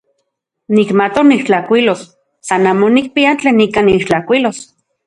Nikmatok nitlajkuilos, san amo nikpia tlen ika nitlajkuilos.